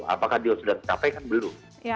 apakah dia sudah tercapai kan belum